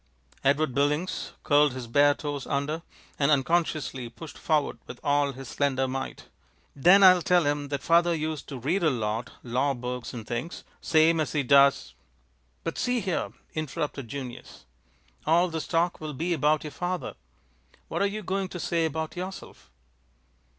Edward Billings curled his bare toes under, and unconsciously pushed forward with all his slender might. "Then I'll tell him that father used to read a lot, law books and things, same as he does " "But see here!" interrupted Junius. "All this talk will be about your father. What are you going to say about yourself?"